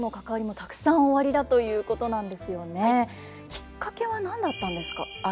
きっかけは何だったんですか？